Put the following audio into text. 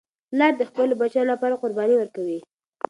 پلار د خپلو بچیانو لپاره قرباني ورکوي.